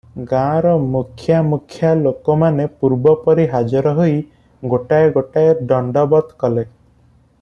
ଗାଁର ମୁଖ୍ୟା ମୁଖ୍ୟା ଲୋକମାନେ ପୂର୍ବପରି ହାଜର ହୋଇ ଗୋଟାଏ ଗୋଟାଏ ଦଣ୍ଡବତ୍ କଲେ ।